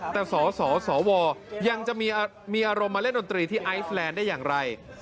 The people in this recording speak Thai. แต่สสวยังจะมีอารมณ์มาเล่นดนตรีที่ไอซแลนด์ได้อย่างไร